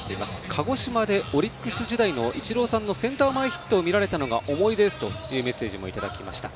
鹿児島でオリックス時代のイチローさんのセンター前ヒットを見られたのが思い出ですというメッセージもいただきました。